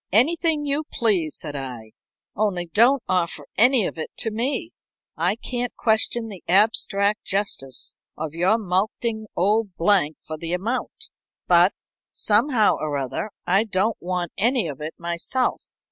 "Anything you please," said I. "Only don't offer any of it to me. I can't question the abstract justice of your mulcting old Blank for the amount, but, somehow or other, I don't want any of it myself.